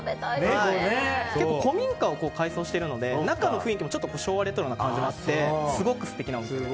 古民家を改装してるので中の雰囲気も昭和レトロな感じもあってすごく素敵なお店です。